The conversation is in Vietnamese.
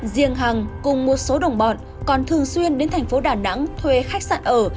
riêng hằng cùng một số đồng bọn còn thường xuyên đến thành phố đà nẵng thuê khách sạn ở